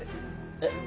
えっ？